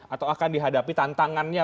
atau akan dihadapi tantangannya